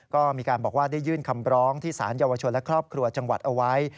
ก็มีการบอกว่าได้ยื่นคำร้องที่สารเยาวชนและครอบครัวจังหวัดเอาไว้